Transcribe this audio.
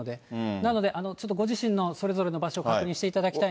なので、ちょっとご自身のそれぞれの場所を確認していただきたい